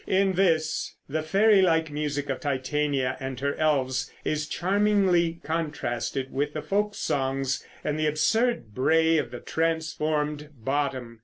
In this the fairy like music of Titania and her elves is charmingly contrasted with the folk songs and the absurd bray of the transformed Bottom.